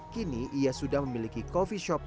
kini ia sudah memiliki kopi shopping